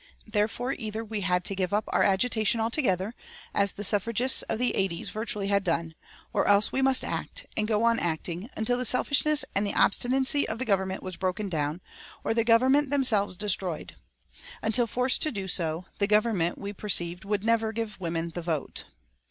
Therefore either we had to give up our agitation altogether, as the suffragists of the eighties virtually had done, or else we must act, and go on acting, until the selfishness and the obstinacy of the Government was broken down, or the Government themselves destroyed. Until forced to do so, the Government, we perceived, would never give women the vote.